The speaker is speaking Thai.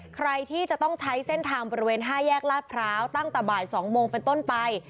ใครที่จะต้องใช้เส้นทางบริเวณ๕แยกลาดพร้าวตั้งแต่บ่าย๒โมงเป็นต้นไป